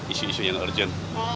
isu isu yang urgent